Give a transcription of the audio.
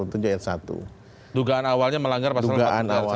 dugaan awalnya melanggar pasal empat puluh tujuh r satu